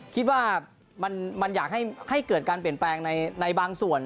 คิดว่ามันอยากให้เกิดการเปลี่ยนแปลงในบางส่วน